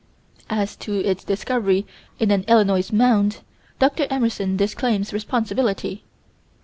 As to its discovery in an Illinois mound, Dr. Emerson disclaims responsibility.